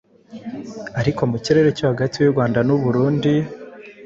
ariko mu kirere cyo hagati yurwanda nuburundi